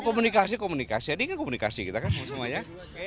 oh komunikasi komunikasi ini kan komunikasi kita kan semuanya